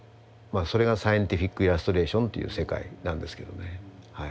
それがサイエンティフィックイラストレーションという世界なんですけどね。